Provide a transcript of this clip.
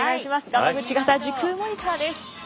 ガマグチ型時空モニターです。